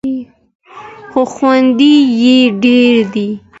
خو خوند یې ډېر دی.